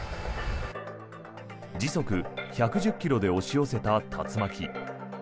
時速１１０ｋｍで押し寄せた竜巻。